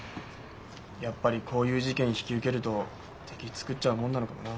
やっぱりこういう事件引き受けると敵つくっちゃうもんなのかもな。